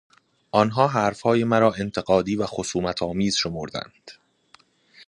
آنها حرفهای مرا انتقادی و خصومتآمیز شمردند